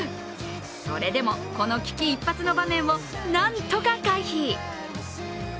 それでも、この危機一髪の場面をなんとか回避。